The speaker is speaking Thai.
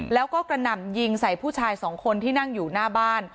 แล้วก็กระหน่ำยิงใส่ผู้ชายสองคนที่นั่งอยู่หน้าบ้าน